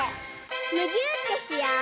むぎゅーってしよう！